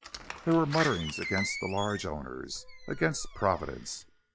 There were mutterings against the large owners, against Providence.